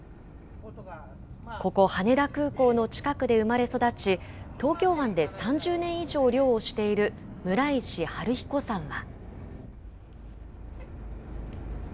ここ、羽田空港の近くで生まれ育ち、東京湾で３０年以上漁をしている村石春彦さんは。